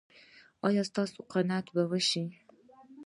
ایا ستاسو قناعت به وشي؟